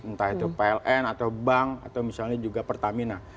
entah itu pln atau bank atau misalnya juga pertamina